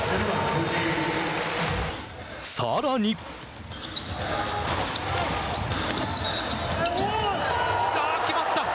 さらに。決まった。